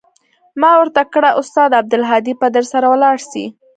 ما ورته كړه استاده عبدالهادي به درسره ولاړ سي.